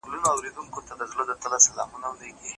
زه به د خپلو شاګردانو هر ډول مرسته کوم.